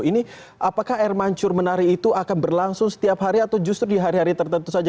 ini apakah air mancur menari itu akan berlangsung setiap hari atau justru di hari hari tertentu saja